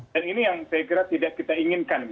dan ini yang saya kira tidak kita inginkan